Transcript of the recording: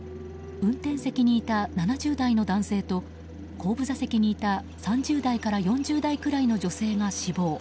運転席にいた７０代の男性と後部座席にいた３０代から４０代くらいの女性が死亡。